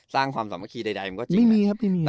สร้างความสามารถที่ใดมันก็จริงนะ